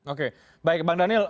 oke baik bang daniel